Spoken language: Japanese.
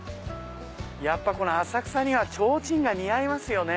やっぱこの浅草にはちょうちんが似合いますよね。